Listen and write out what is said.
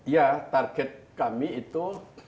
ya target kami itu